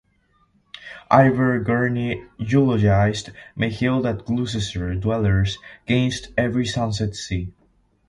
Ivor Gurney eulogised "May Hill that Gloucester dwellers 'gainst every sunset see".